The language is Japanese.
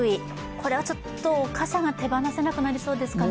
これは傘が手放せなくなりそうですかね？